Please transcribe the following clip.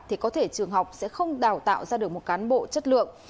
thì có thể trường học sẽ không đào tạo ra được một cán bộ chất lượng